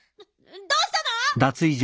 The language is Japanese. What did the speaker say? どうしたの？